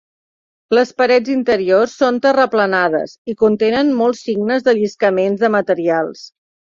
Les parets interiors són terraplenades i contenen molts signes de lliscaments de materials.